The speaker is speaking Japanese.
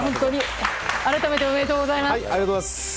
改めて、おめでとうございます。